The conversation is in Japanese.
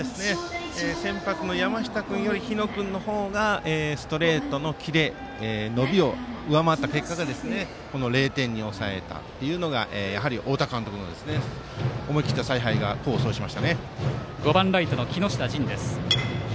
先発の山下君より日野君の方がストレートのキレ、伸びを上回った結果が０点に抑えたというのがやはり太田監督の思い切った采配が功を奏しました。